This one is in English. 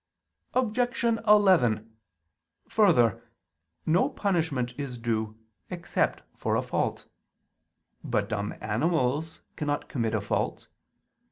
Objection 11: Further, no punishment is due except for a fault. But dumb animals cannot commit a fault.